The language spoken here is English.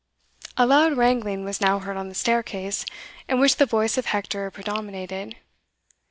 A loud wrangling was now heard on the staircase, in which the voice of Hector predominated.